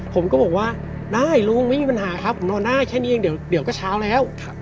ผมก็บอกว่าได้ลุงไม่มีปัญหาครับผมนอนได้แค่นี้เองเดี๋ยวก็เช้าแล้ว